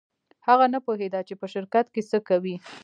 هغه نه پوهېده چې په شرکت کې څه کوي.